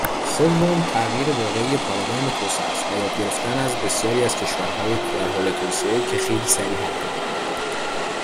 سوم تغییر واقعی پارادایم توسعه است و یاد گرفتن از بسیاری از کشورهای در حال توسعه که خیلی سریع حرکت کردهاند